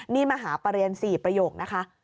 นี่มาหาประเรียน๔ประโยคนะคะ